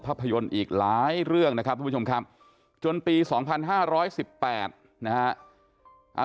ภาพยนตร์อีกหลายเรื่องนะครับทุกผู้ชมครับจนปี๒๕๑๘นะฮะ